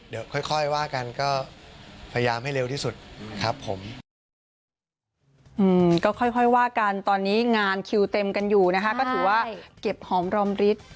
เดี๋ยวค่อยว่ากันก็พยายามให้เร็วที่สุดครับผม